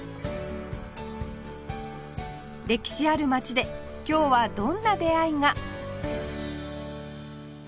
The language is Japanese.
歴史ある街で今日はどんな出会いが？